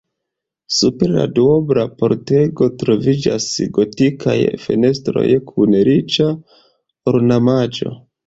Super la duobla pordego troviĝas gotikaj fenestroj kun riĉa ornamaĵo.